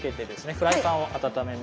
フライパンを温めます。